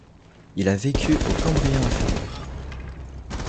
Il a vécu au Cambrien inférieur.